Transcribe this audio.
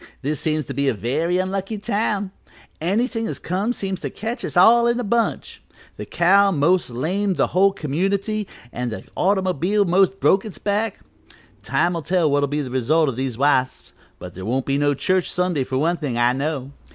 This seems to be a very unlucky town. Anything as comes seems to catch us all in a bunch. The cow most lamed the whole community an' the automobile most broke its back; time'll tell what'll be the result o' these wasps, but there won't be no church Sunday for one thing, I know.